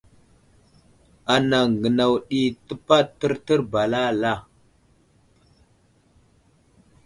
Anaŋ gənaw ɗi təpaɗ tərtər ba alala.